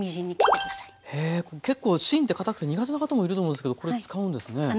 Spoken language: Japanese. へえ結構芯ってかたくて苦手な方もいると思うんですけどこれ使うんですね。